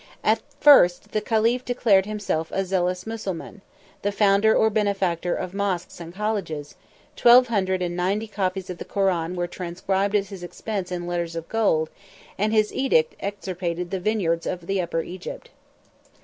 At first the caliph declared himself a zealous Mussulman, the founder or benefactor of moschs and colleges: twelve hundred and ninety copies of the Koran were transcribed at his expense in letters of gold; and his edict extirpated the vineyards of the Upper Egypt.